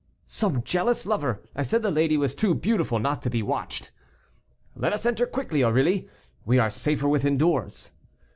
"Some jealous lover; I said the lady was too beautiful not to be watched." "Let us enter quickly, Aurilly; we are safer within doors."